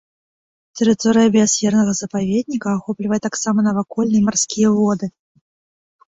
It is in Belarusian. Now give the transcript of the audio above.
Тэрыторыя біясфернага запаведніка ахоплівае таксама навакольныя марскія воды.